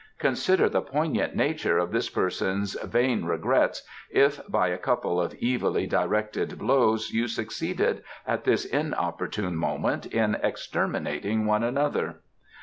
Consider the poignant nature of this person's vain regrets if by a couple of evilly directed blows you succeeded at this inopportune moment in exterminating one another!"